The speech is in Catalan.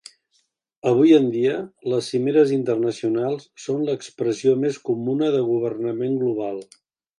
Avui en dia, les cimeres internacionals són l'expressió més comuna de governament global.